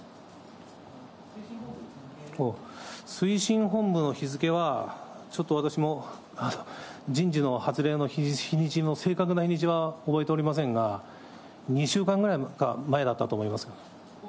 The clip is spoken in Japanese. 推進本部の日付は、ちょっと私も人事の発令の日にちの正確な日にちは覚えておりませんが、２週間ぐらい前だったかと思います。